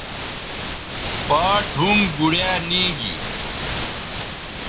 باٹ ھُم بوڑیا نی گی